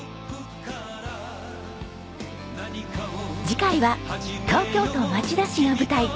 次回は東京都町田市が舞台。